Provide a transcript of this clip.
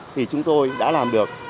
thì chúng tôi đã làm được